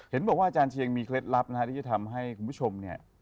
เห็นบอกว่าอาจารย์เชียงมีเคล็ดลับนะฮะที่จะทำให้คุณผู้ชมเนี่ย